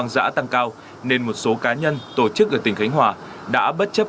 tình hình vi phạm hoang dã tăng cao nên một số cá nhân tổ chức ở tỉnh cánh hòa đã bất chấp